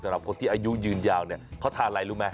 สำหรับคนที่อายุยืนยาวเนี่ยเขาทานอะไรรู้ไหม